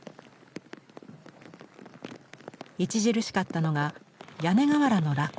著しかったのが屋根瓦の落下や破損です。